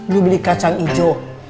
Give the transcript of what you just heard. gue beli kacang ijo